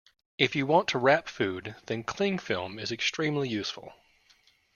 If you want to wrap food, then clingfilm is extremely useful